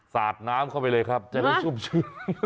สาดน้ำเข้าไปเลยครับจะได้ชุ่มชื่น